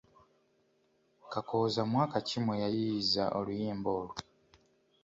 Kakooza mwaka ki mwe yayiiyiza oluyimba olwo?